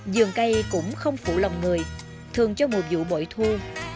giường cây cũng không phụ lòng người thường cho mùa vụ bội thu